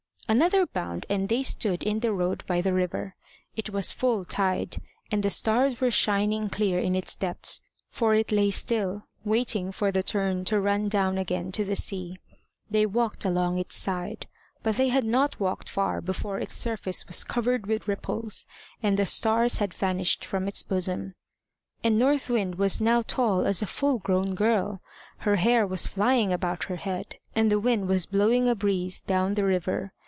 Another bound, and they stood in the road by the river. It was full tide, and the stars were shining clear in its depths, for it lay still, waiting for the turn to run down again to the sea. They walked along its side. But they had not walked far before its surface was covered with ripples, and the stars had vanished from its bosom. And North Wind was now tall as a full grown girl. Her hair was flying about her head, and the wind was blowing a breeze down the river.